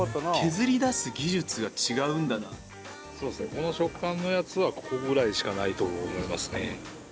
この食感のやつはここぐらいしかないと思いますね。